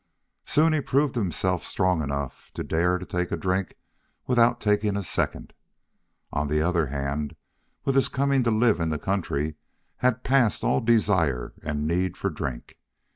Soon he proved himself strong enough to dare to take a drink without taking a second. On the other hand, with his coming to live in the country, had passed all desire and need for drink.